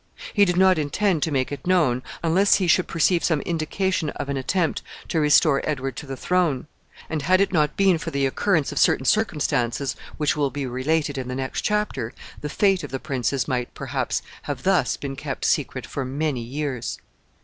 He did not intend to make it known, unless he should perceive some indication of an attempt to restore Edward to the throne; and, had it not been for the occurrence of certain circumstances which will be related in the next chapter, the fate of the princes might, perhaps, have thus been kept secret for many years.